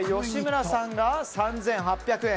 吉村さんが３８００円。